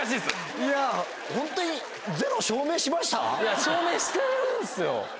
いや証明してるんすよ。